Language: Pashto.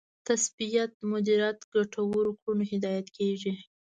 تثبیت مدیریت ګټورو کړنو هدایت کېږي.